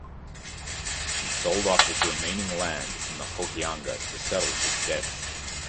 He sold off his remaining land in the Hokianga to settle his debts.